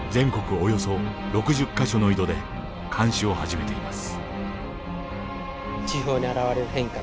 およそ６０か所の井戸で監視を始めています。